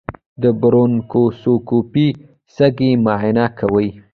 د برونکوسکوپي سږي معاینه کوي.